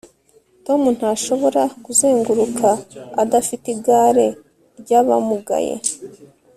tom ntashobora kuzenguruka adafite igare ry'abamugaye